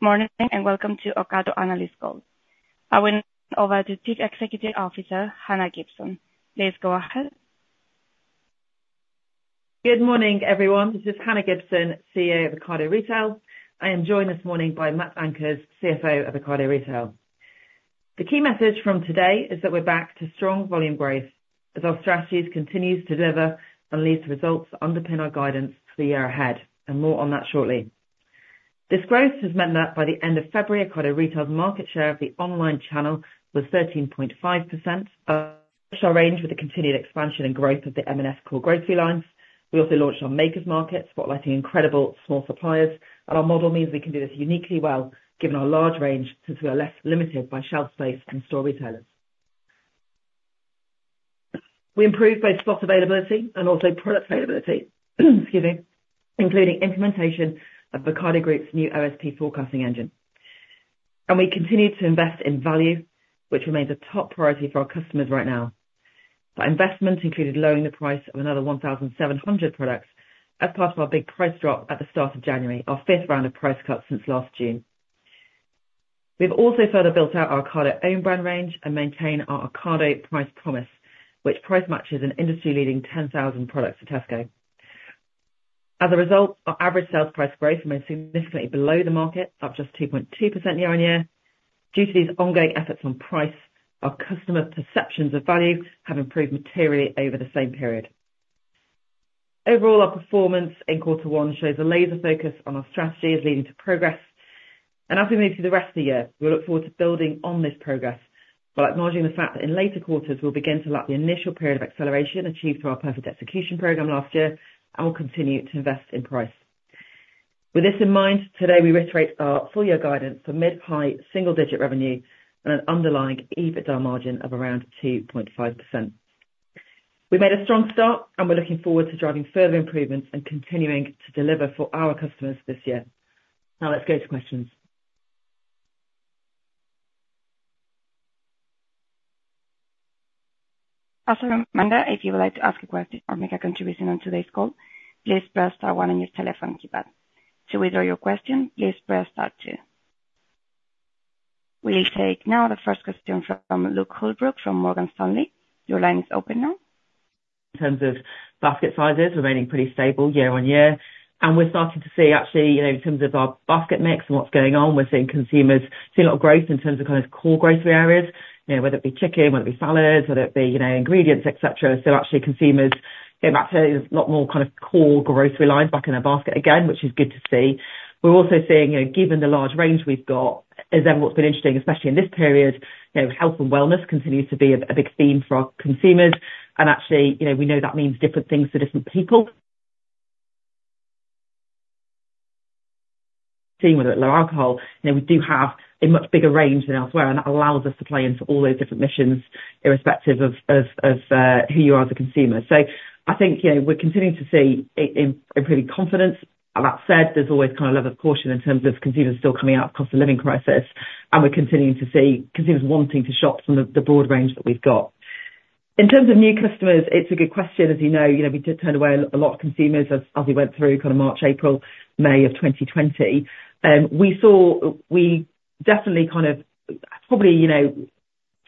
Good morning, and welcome to Ocado Analyst Call. I will hand over to Chief Executive Officer, Hannah Gibson. Please go ahead. Good morning, everyone. This is Hannah Gibson, CEO of Ocado Retail. I am joined this morning by Matt Ankers, CFO of Ocado Retail. The key message from today is that we're back to strong volume growth, as our strategies continues to deliver and lead to results that underpin our guidance for the year ahead, and more on that shortly. This growth has meant that by the end of February, Ocado Retail's market share of the online channel was 13.5%, plus our range with the continued expansion and growth of the M&S core grocery lines. We also launched our Makers Market, spotlighting incredible small suppliers, and our model means we can do this uniquely well, given our large range, since we are less limited by shelf space than store retailers. We improved both stock availability and also product availability, excuse me, including implementation of the Ocado Group's new OSP forecasting engine. And we continued to invest in value, which remains a top priority for our customers right now. That investment included lowering the price of another 1,700 products as part of our big price drop at the start of January, our fifth round of price cuts since last June. We've also further built out our Ocado Own Range and maintained our Ocado Price Promise, which price matches an industry-leading 10,000 products to Tesco. As a result, our average sales price growth remained significantly below the market, up just 2.2% year-on-year. Due to these ongoing efforts on price, our customer perceptions of value have improved materially over the same period. Overall, our performance in quarter one shows a laser focus on our strategy is leading to progress, and as we move through the rest of the year, we look forward to building on this progress, while acknowledging the fact that in later quarters, we'll begin to lap the initial period of acceleration achieved through our Perfect Execution program last year, and we'll continue to invest in price. With this in mind, today, we reiterate our full year guidance for mid-high single digit revenue and an underlying EBITDA margin of around 2.5%. We've made a strong start, and we're looking forward to driving further improvements and continuing to deliver for our customers this year. Now, let's go to questions. As a reminder, if you would like to ask a question or make a contribution on today's call, please press star one on your telephone keypad. To withdraw your question, please press star two. We'll take now the first question from Luke Holbrook, from Morgan Stanley. Your line is open now. In terms of basket sizes remaining pretty stable year on year, and we're starting to see actually, you know, in terms of our basket mix and what's going on, we're seeing consumers see a lot of growth in terms of kind of core grocery areas, you know, whether it be chicken, whether it be salads, whether it be, you know, ingredients, et cetera. So actually, consumers going back to a lot more kind of core grocery lines back in their basket again, which is good to see. We're also seeing, you know, given the large range we've got, is then what's been interesting, especially in this period, you know, health and wellness continues to be a, a big theme for our consumers. And actually, you know, we know that means different things to different people. Seeing whether low alcohol, you know, we do have a much bigger range than elsewhere, and that allows us to play into all those different missions, irrespective of, of, of who you are as a consumer. So I think, you know, we're continuing to see in pretty confident. And that said, there's always kind of a level of caution in terms of consumers still coming out of cost of living crisis, and we're continuing to see consumers wanting to shop from the, the broad range that we've got. In terms of new customers, it's a good question. As you know, you know, we did turn away a lot of consumers as, as we went through kind of March, April, May of 2020. We saw... We definitely kind of probably, you know,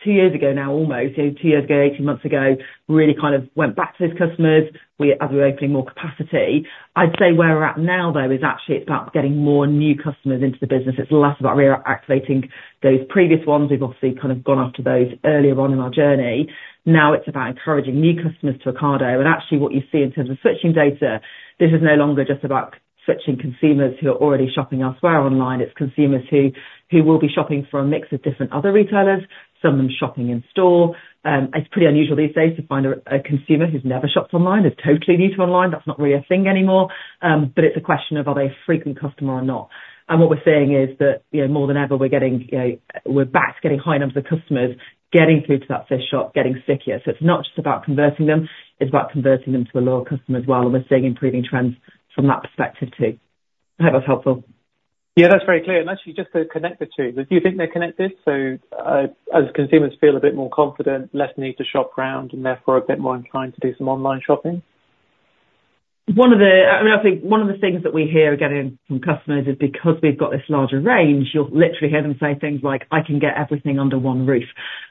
2 years ago now, almost, you know, 2 years ago, 18 months ago, really kind of went back to those customers. We, as we were opening more capacity. I'd say where we're at now, though, is actually about getting more new customers into the business. It's less about reactivating those previous ones. We've obviously kind of gone after those earlier on in our journey. Now, it's about encouraging new customers to Ocado, and actually what you see in terms of switching data, this is no longer just about switching consumers who are already shopping elsewhere online, it's consumers who will be shopping from a mix of different other retailers, some of them shopping in store. It's pretty unusual these days to find a consumer who's never shopped online, is totally new to online. That's not really a thing anymore, but it's a question of, are they a frequent customer or not? And what we're seeing is that, you know, more than ever, we're getting, you know, we're back to getting high numbers of customers getting through to that first shop, getting stickier. So it's not just about converting them, it's about converting them to a loyal customer as well, and we're seeing improving trends from that perspective, too. I hope that's helpful. Yeah, that's very clear, and actually just to connect the two, do you think they're connected, so, as consumers feel a bit more confident, less need to shop around, and therefore, a bit more inclined to do some online shopping? One of the, I mean, I think one of the things that we hear again from customers is because we've got this larger range, you'll literally hear them say things like, "I can get everything under one roof."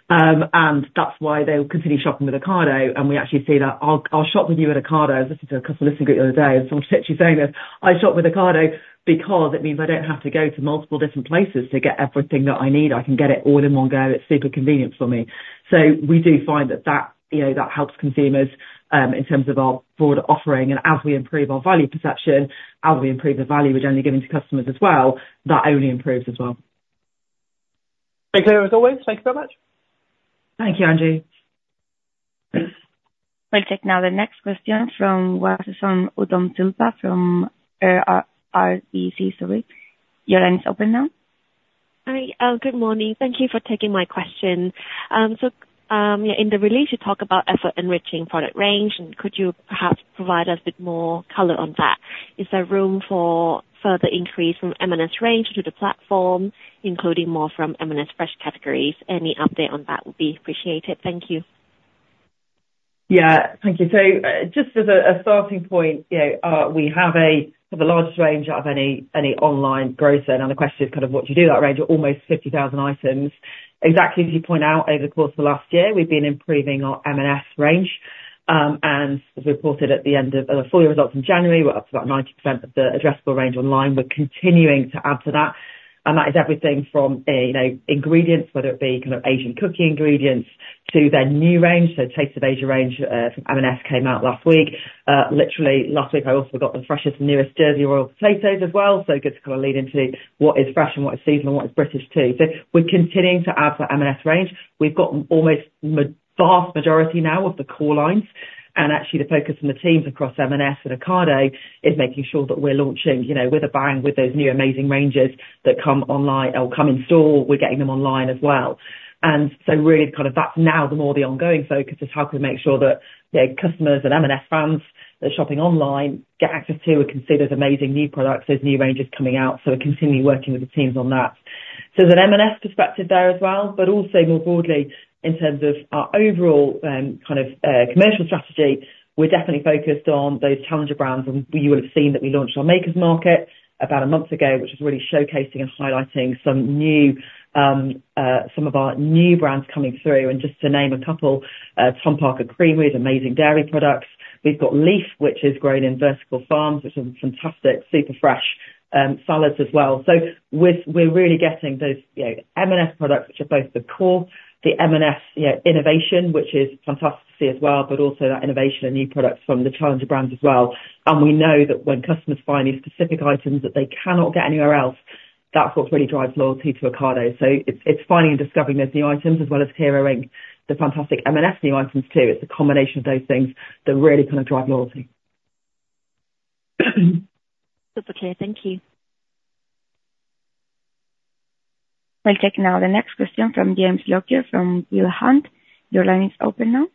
And that's why they'll continue shopping with Ocado, and we actually see that, "I'll, I'll shop with you at Ocado." I was listening to a customer listening group the other day, and someone's literally saying this, "I shop with Ocado because it means I don't have to go to multiple different places to get everything that I need. I can get it all in one go. It's super convenient for me." So we do find that that, you know, that helps consumers in terms of our broader offering. As we improve our value perception, as we improve the value we're generally giving to customers as well, that only improves as well. Very clear, as always. Thank you so much. Thank you, Andrew. We'll take now the next question from Wassachon Udomsilpa, from RBC, sorry. Your line is open now. Hi, good morning. Thank you for taking my question. So, yeah, in the release, you talk about effort enriching product range, and could you perhaps provide us with more color on that? Is there room for further increase from M&S range to the platform, including more from M&S fresh categories? Any update on that would be appreciated. Thank you.... Yeah, thank you. So, just as a starting point, you know, we have the largest range of any online grocer, now the question is kind of what you do with that range of almost 50,000 items. Exactly, as you point out, over the course of last year, we've been improving our M&S range. And as we reported at the end of the full year results in January, we're up to about 90% of the addressable range online. We're continuing to add to that, and that is everything from, you know, ingredients, whether it be kind of Asian cooking ingredients to their new range. So Taste of Asia range from M&S came out last week. Literally last week, I also got the freshest, newest Jersey Royal potatoes as well. So good to kind of lead into what is fresh and what is seasonal, and what is British too. So we're continuing to add to that M&S range. We've got almost vast majority now of the core lines, and actually the focus on the teams across M&S and Ocado is making sure that we're launching, you know, with a bang, with those new amazing ranges that come online or come in store, we're getting them online as well. And so really kind of that's now the more the ongoing focus, is how can we make sure that the customers and M&S fans that are shopping online, get access to and can see those amazing new products, those new ranges coming out, so we're continually working with the teams on that. So there's an M&S perspective there as well, but also more broadly, in terms of our overall commercial strategy, we're definitely focused on those challenger brands. And you will have seen that we launched our Makers Market about a month ago, which is really showcasing and highlighting some of our new brands coming through. And just to name a couple, Tom Parker Creamery, amazing dairy products. We've got Leaf, which is grown in vertical farms, which are fantastic, super fresh salads as well. So we're really getting those, you know, M&S products, which are both the core, the M&S, you know, innovation, which is fantastic to see as well, but also that innovation and new products from the challenger brands as well. And we know that when customers find these specific items that they cannot get anywhere else, that's what really drives loyalty to Ocado. So it's, it's finding and discovering those new items as well as hero-ing the fantastic M&S new items, too. It's a combination of those things that really kind of drive loyalty. Super clear. Thank you. We'll take now the next question from James Lockyer from Peel Hunt. Your line is open now.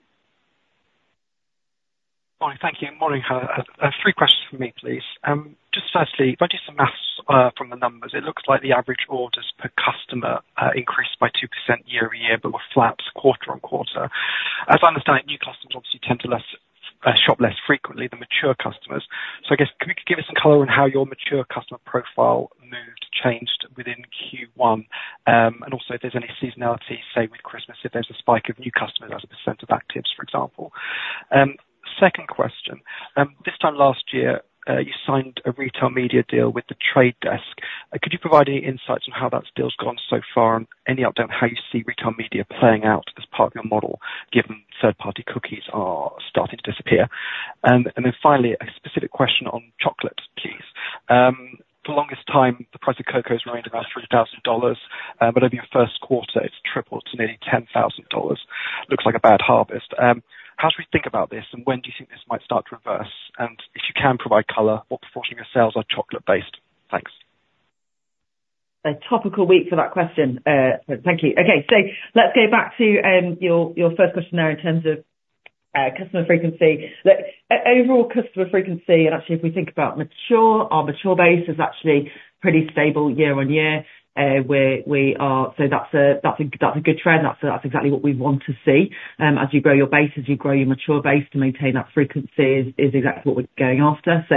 Hi. Thank you, and morning, Hannah. Three questions from me, please. Just firstly, I did some math from the numbers. It looks like the average orders per customer increased by 2% year-over-year, but were flat quarter-on-quarter. As I understand, new customers obviously tend to shop less frequently than mature customers. So I guess, can you give us some color on how your mature customer profile moved, changed within Q1? And also if there's any seasonality, say, with Christmas, if there's a spike of new customers as a percent of actives, for example. Second question, this time last year, you signed a retail media deal with The Trade Desk. Could you provide any insights on how that deal's gone so far? Any update on how you see retail media playing out as part of your model, given third-party cookies are starting to disappear? Then finally, a specific question on chocolate, please. For the longest time, the price of cocoa has remained about $3,000, but over your first quarter, it's tripled to nearly $10,000. Looks like a bad harvest. How should we think about this, and when do you think this might start to reverse? And if you can provide color, what proportion of your sales are chocolate-based? Thanks. A topical week for that question. Thank you. Okay. So let's go back to, your, your first question there in terms of, customer frequency. Look, overall customer frequency, and actually, if we think about mature, our mature base is actually pretty stable year-on-year. So that's a, that's a, that's a good trend. That's, that's exactly what we want to see. As you grow your base, as you grow your mature base, to maintain that frequency is, is exactly what we're going after. So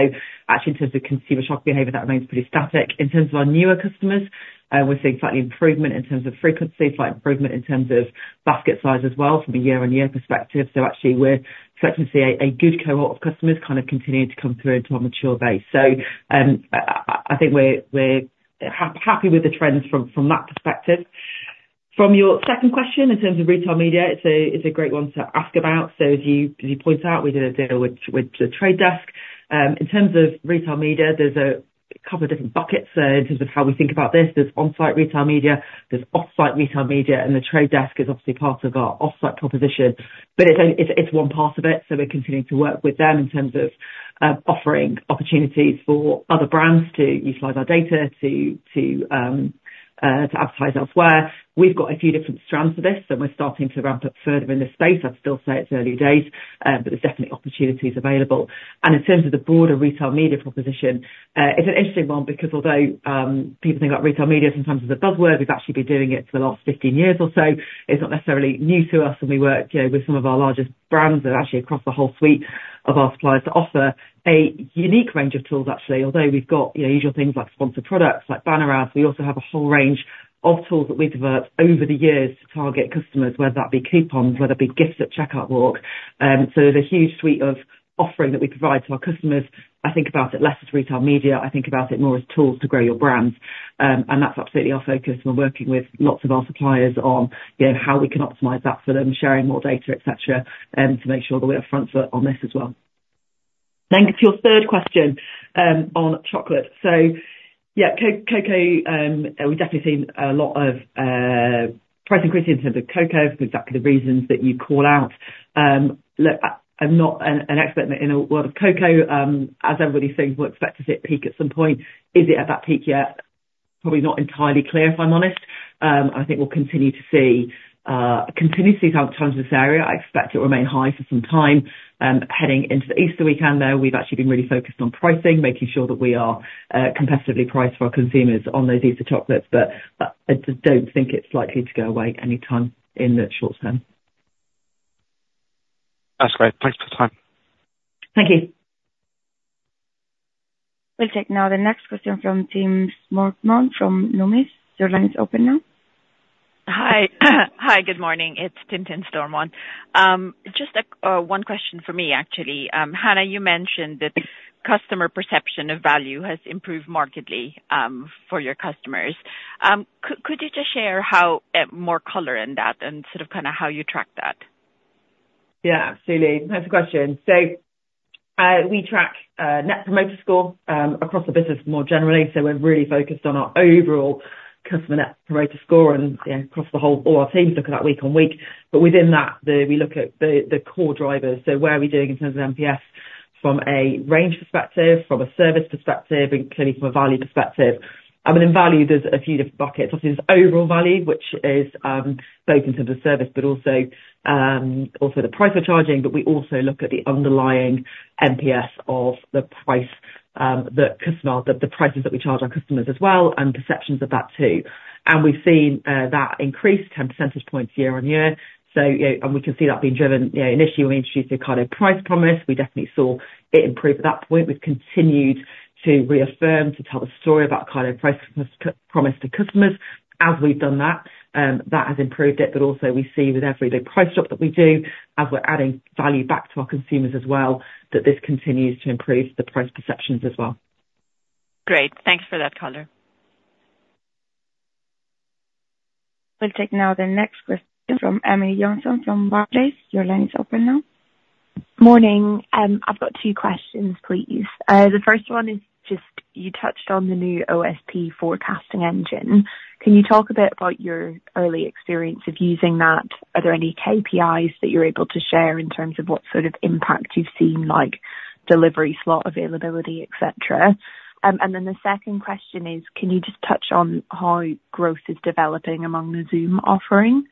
actually, in terms of consumer shopping behavior, that remains pretty static. In terms of our newer customers, we're seeing slightly improvement in terms of frequency, slight improvement in terms of basket size as well from a year-on-year perspective. So actually, we're starting to see a good cohort of customers kind of continuing to come through into our mature base. So, I think we're happy with the trends from that perspective. From your second question, in terms of retail media, it's a great one to ask about. So as you pointed out, we did a deal with The Trade Desk. In terms of retail media, there's a couple of different buckets in terms of how we think about this. There's on-site retail media, there's off-site retail media, and The Trade Desk is obviously part of our off-site proposition. But it's only one part of it, so we're continuing to work with them in terms of offering opportunities for other brands to utilize our data to advertise elsewhere. We've got a few different strands to this, that we're starting to ramp up further in this space. I'd still say it's early days, but there's definitely opportunities available. And in terms of the broader retail media proposition, it's an interesting one because although, people think about retail media sometimes as a buzzword, we've actually been doing it for the last 15 years or so. It's not necessarily new to us, and we work, you know, with some of our largest brands and actually across the whole suite of our suppliers to offer a unique range of tools actually. Although we've got, you know, usual things like sponsored products, like banner ads, we also have a whole range of tools that we've developed over the years to target customers, whether that be coupons, whether it be gifts at checkout look. So there's a huge suite of offering that we provide to our customers. I think about it less as retail media, I think about it more as tools to grow your brands. And that's absolutely our focus. We're working with lots of our suppliers on, you know, how we can optimize that for them, sharing more data, et cetera, to make sure that we're upfront on this as well. Then to your third question, on chocolate. So yeah, cocoa, we've definitely seen a lot of price increases in terms of cocoa for exactly the reasons that you call out. Look, I'm not an expert in the world of cocoa. As everybody thinks, we'll expect to see it peak at some point. Is it at that peak yet? Probably not entirely clear, if I'm honest. I think we'll continue to see challenges in this area. I expect it will remain high for some time. Heading into the Easter weekend, though, we've actually been really focused on pricing, making sure that we are competitively priced for our consumers on those Easter chocolates. But I just don't think it's likely to go away anytime in the short term. That's great. Thanks for the time. Thank you. We'll take now the next question from Tim Barrett from Deutsche Numis. Your line is open now. Hi. Hi, good morning. It's Tim Barrett. Just a one question for me, actually. Hannah, you mentioned that customer perception of value has improved markedly, for your customers. Could you just share how... more color in that and sort of, kind of how you track that? Yeah, absolutely. Thanks for the question. So, we track net promoter score across the business more generally. So we're really focused on our overall customer net promoter score, and, you know, across the whole, all our teams look at that week on week. But within that, we look at the core drivers. So where are we doing in terms of NPS from a range perspective, from a service perspective, and clearly from a value perspective? I mean, in value, there's a few different buckets. Obviously, there's overall value, which is both in terms of service, but also the price we're charging. But we also look at the underlying NPS of the price, the customer, the prices that we charge our customers as well, and perceptions of that, too. We've seen that increase 10 percentage points year-on-year. So, you know, and we can see that being driven. You know, initially, we introduced the Ocado Price Promise. We definitely saw it improve at that point. We've continued to reaffirm, to tell the story about Ocado Price Promise to customers. As we've done that, that has improved it, but also we see with every price drop that we do, as we're adding value back to our consumers as well, that this continues to improve the price perceptions as well. Great. Thanks for that color. We'll take now the next question from Emily Johnson from Barclays. Your line is open now. Morning. I've got two questions, please. The first one is just, you touched on the new OSP forecasting engine. Can you talk a bit about your early experience of using that? Are there any KPIs that you're able to share in terms of what sort of impact you've seen, like delivery slot availability, et cetera? And then the second question is, can you just touch on how growth is developing among the Zoom offering?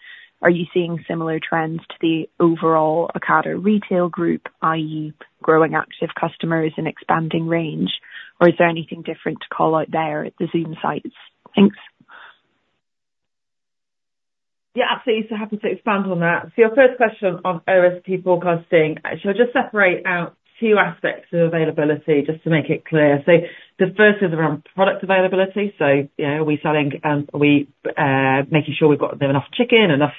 Are you seeing similar trends to the overall Ocado retail group, i.e., growing active customers and expanding range, or is there anything different to call out there at the Zoom sites? Thanks. Yeah, absolutely. So happy to expand on that. So your first question on OSP forecasting, so I'll just separate out two aspects of availability just to make it clear. So the first is around product availability. So, you know, we're selling, making sure we've got enough chicken, enough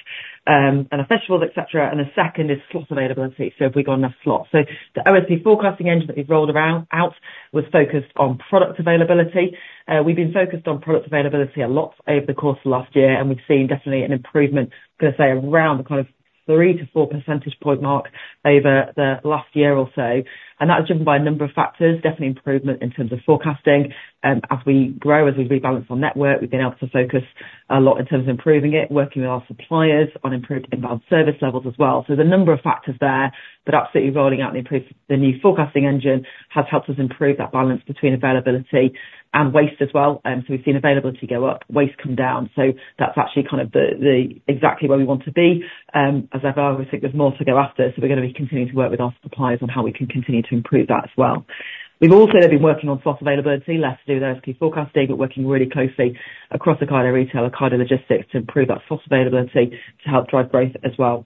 vegetables, et cetera. And the second is slot availability, so have we got enough slots? So the OSP forecasting engine that we've rolled out was focused on product availability. We've been focused on product availability a lot over the course of last year, and we've seen definitely an improvement, I'm gonna say, around the kind of 3-4 percentage point mark over the last year or so. And that was driven by a number of factors, definitely improvement in terms of forecasting. As we grow, as we rebalance our network, we've been able to focus a lot in terms of improving it, working with our suppliers on improved inbound service levels as well. So there's a number of factors there, but absolutely rolling out the new forecasting engine has helped us improve that balance between availability and waste as well. So we've seen availability go up, waste come down. So that's actually kind of the exactly where we want to be. As I said, I think there's more to go after, so we're gonna be continuing to work with our suppliers on how we can continue to improve that as well. We've also been working on slot availability, less to do with OSP forecasting, but working really closely across Ocado Retail and Ocado Logistics to improve that slot availability to help drive growth as well.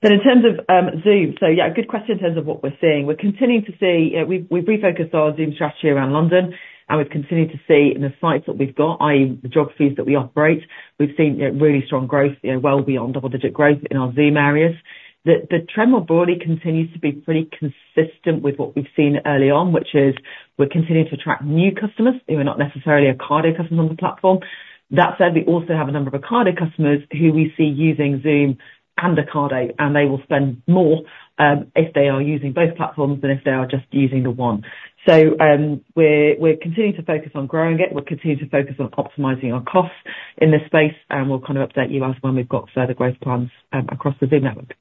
But in terms of Zoom, so yeah, good question in terms of what we're seeing. We're continuing to see. We've refocused our Zoom strategy around London, and we've continued to see in the sites that we've got, i.e., the geographies that we operate, we've seen, you know, really strong growth, you know, well beyond double-digit growth in our Zoom areas. The trend more broadly continues to be pretty consistent with what we've seen early on, which is we're continuing to attract new customers, who are not necessarily Ocado customers on the platform. That said, we also have a number of Ocado customers who we see using Zoom and Ocado, and they will spend more if they are using both platforms than if they are just using the one. So, we're continuing to focus on growing it. We're continuing to focus on optimizing our costs in this space, and we'll kind of update you later when we've got further growth plans across the Zoom network.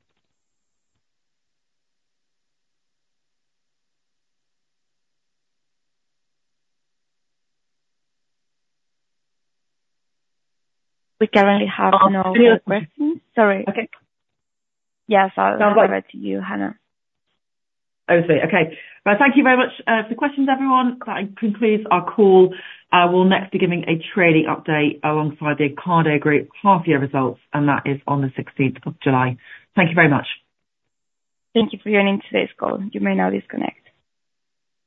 We currently have no more questions. Sorry. Okay. Yes, I was going to go back to you, Hannah. Obviously. Okay. Well, thank you very much for the questions, everyone. That concludes our call. I will next be giving a trading update alongside the Ocado Group half year results, and that is on the 16 of July. Thank you very much. Thank you for joining today's call. You may now disconnect.